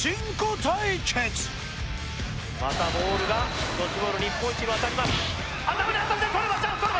対決またボールがドッジボール日本一に渡りますあっ